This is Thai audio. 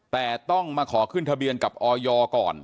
แต่ต้องมาขอขึ้นทะเบียนกับออยก่อน